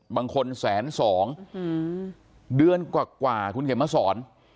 บางคนแสนสองหือเดือนกว่ากว่าคุณเขียนมาสอน